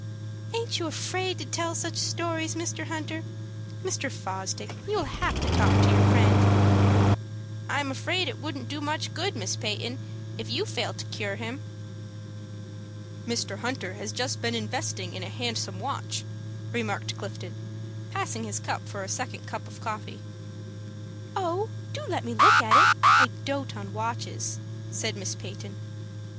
"Aint you afraid to tell such stories, Mr. Hunter? Mr. Fosdick, you will have to talk to your friend." "I am afraid it wouldn't do much good, Miss Peyton, if you fail to cure him." "Mr. Hunter has just been investing in a handsome watch," remarked Clifton, passing his cup for a second cup of coffee. "Oh, do let me look at it! I dote on watches," said Miss Peyton.